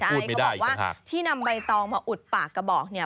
ใช่เขาบอกว่าที่นำใบตองมาอุดปากกระบอกเนี่ย